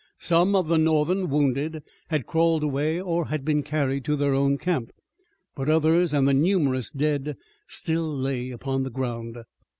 Some of the Northern wounded had crawled away or had been carried to their own camp, but others and the numerous dead still lay upon the ground.